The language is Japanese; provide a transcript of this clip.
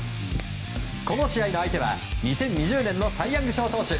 この試合の相手は２０２０年のサイ・ヤング賞投手